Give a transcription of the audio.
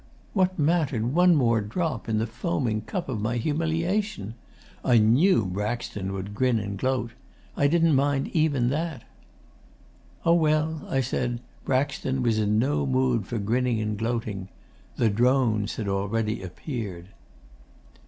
What mattered one more drop in the foaming cup of my humiliation? I knew Braxton would grin and gloat. I didn't mind even that.' 'Oh, well,' I said, 'Braxton was in no mood for grinning and gloating. "The Drones" had already appeared.